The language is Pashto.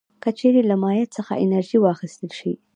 که چیرې له مایع څخه انرژي واخیستل شي.